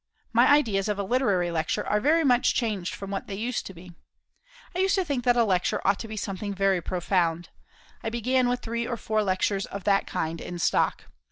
My ideas of a literary lecture are very much changed from what they used to be. I used to think that a lecture ought to be something very profound. I began with three or four lectures of that kind in stock.